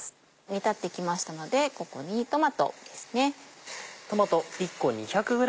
煮立ってきましたのでここにトマトですね。